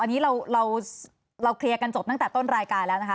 อันนี้เราเคลียร์กันจบตั้งแต่ต้นรายการแล้วนะคะ